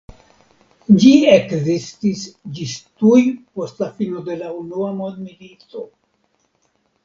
Ĝi ekzistis ĝis tuj post la fino de la Unua Mondmilito.